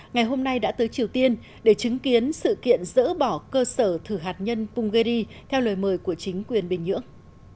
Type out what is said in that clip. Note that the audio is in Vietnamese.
ngày hôm nay đã tới triều tiên để chứng kiến sự kiện dỡ bỏ cơ sở thử hạt nhân punggeri theo lời mời của chính quyền bình nhưỡng